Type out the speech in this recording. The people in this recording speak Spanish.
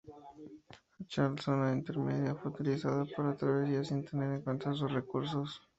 Jáchal, zona intermedia, fue utilizada para la travesía, sin tener en cuenta sus recursos.